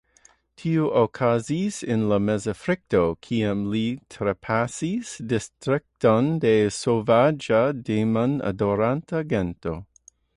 Tio okazis en Mezafriko, kiam li trapasis distrikton de sovaĝa, demon-adoranta gento.